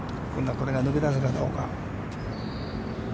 これが抜け出すかどうか。